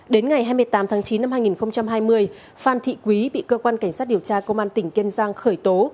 đến ngày hai mươi tám tháng chín năm hai nghìn hai mươi phan thị quý bị cơ quan cảnh sát điều tra công an tỉnh kiên giang khởi tố